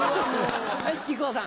はい木久扇さん。